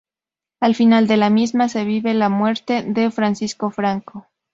Al final de la misma se vive la muerte de Francisco Franco.